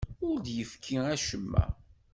Ur d-yefki acemma.